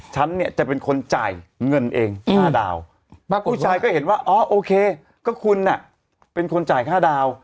ฉันเนี่ยจะเป็นคนจ่ายเงินเอง๕ดาวปรากฏผู้ชายก็เห็นว่าอ๋อโอเคก็คุณเป็นคนจ่ายค่าดาว